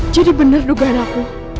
jadi bener dugaan aku